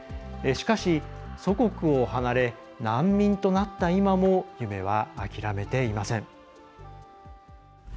しかし、祖国を離れ難民となった今も夢は諦めていません。